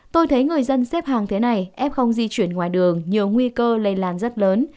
tôi thấy người dân xếp hàng thế này f không di chuyển ngoài đường nhiều nguy cơ lây lan rất lớn